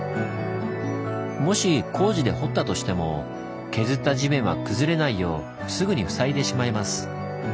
もし工事で掘ったとしても削った地面は崩れないようすぐに塞いでしまいます。